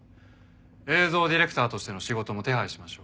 映像ディレクターとしての仕事も手配しましょう。